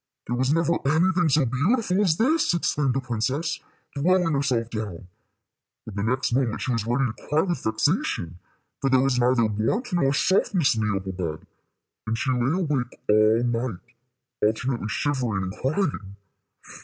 "There was never anything so beautiful as this!" exclaimed the princess, throwing herself down; but the next moment she was ready to cry with vexation, for there was neither warmth nor softness in the opal bed, and she lay awake all night, alternately shivering and crying.